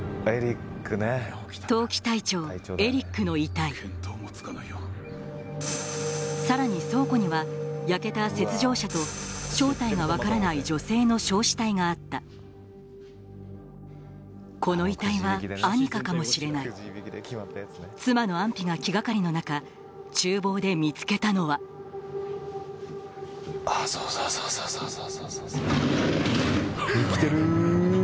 冬期隊長エリックの遺体さらに倉庫には正体が分からないがあったこの遺体はアニカかもしれない妻の安否が気がかりの中厨房で見つけたのは生きてる！